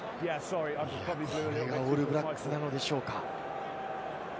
これがオールブラックスなのでしょうか。